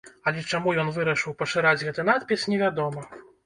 Але чаму ён вырашыў пашыраць гэты надпіс, невядома.